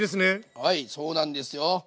はいそうなんですよ。